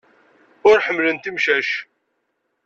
Ur ḥemmlent imcac.